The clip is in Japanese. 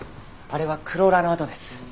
あれはクローラーの痕です。